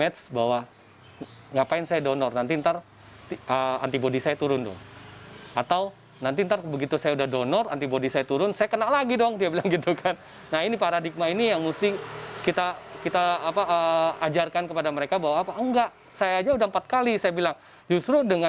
jangan lupa like share dan subscribe channel ini